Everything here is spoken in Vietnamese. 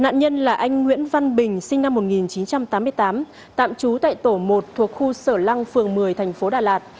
nạn nhân là anh nguyễn văn bình sinh năm một nghìn chín trăm tám mươi tám tạm trú tại tổ một thuộc khu sở lăng phường một mươi thành phố đà lạt